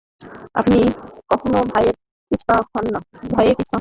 আপনি কোনো ভয়েই পিছপা হন না।